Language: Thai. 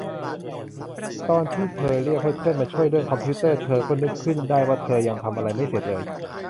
ตอนที่เธอเรียกให้เพื่อนมาช่วยเรื่องคอมพิวเตอร์ เธอก็นึกขึ้นได้ว่าเธอยังทำอะไรไม่เสร็จเลย